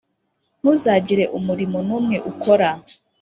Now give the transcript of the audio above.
ntuzagire umurimo n’umwe ukora: